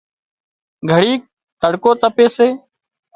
گھڙيڪ تڙڪو تپي سي